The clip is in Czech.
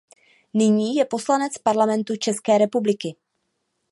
Nyní je poslanec Parlamentu České republiky.